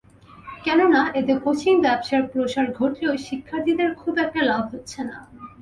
কেননা, এতে কোচিং ব্যবসার প্রসার ঘটলেও শিক্ষার্থীদের খুব একটা লাভ হচ্ছে না।